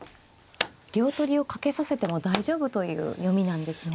両取りをかけさせても大丈夫という読みなんですね。